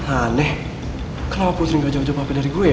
aneh kenapa putri gak jauh jauh papi dari gue